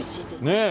ねえ。